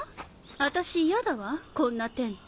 あたし嫌だわこんなテント。